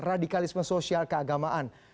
skor radikalisme sosial keagamaan